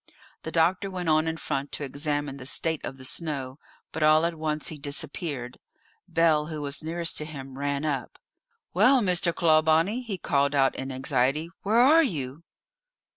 The doctor went on in front to examine the state of the snow, but all at once he disappeared. Bell, who was nearest to him, ran up. "Well, Mr. Clawbonny," he called out in anxiety, "where are you?"